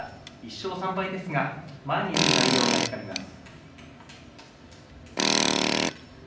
１勝３敗ですが前に出る内容が光ります。